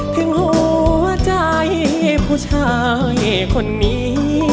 ถึงหัวใจผู้ชายคนนี้